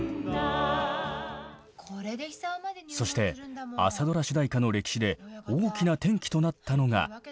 そして朝ドラ主題歌の歴史で大きな転機となったのがこの曲です。